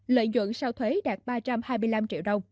lợi nhuận sau thuế đạt ba trăm hai mươi năm triệu đồng